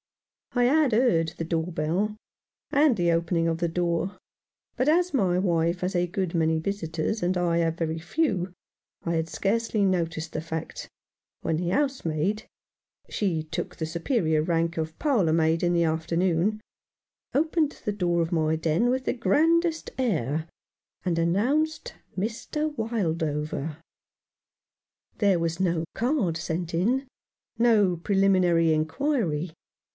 I had heard the door bell, and the opening of the door ; but as my wife has a good many visitors, and I have very few, I had scarcely noticed the fact, when the housemaid — she took the superior rank of parlour maid in the afternoon — opened the door of my den with the grandest air, and announced Mr. Wildover. There was no card sent in — no preliminary inquiry.